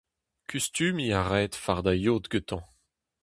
Kustumiñ a raed fardañ yod gantañ.